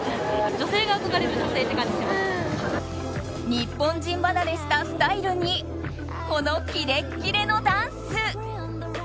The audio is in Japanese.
日本人離れしたスタイルにこのキレッキレのダンス。